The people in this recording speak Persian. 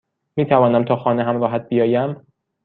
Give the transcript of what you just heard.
میتوانم تا خانه همراهت بیایم؟